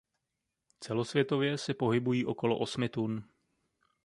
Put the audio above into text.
Celosvětově se pohybují okolo osmi tun.